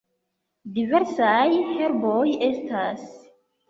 Diversaj herboj estas.